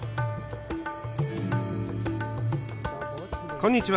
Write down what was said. こんにちは。